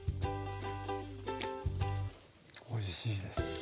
おいしいです。